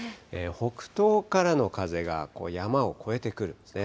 北東からの風が山を越えてくるんですね。